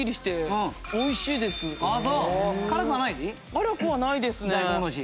辛くはないですね。